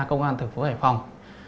công an thường phố hải phòng